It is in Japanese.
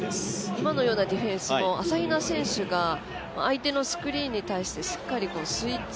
今のようなディフェンスも朝比奈選手が相手のスクリーンに対してしっかりスイッチ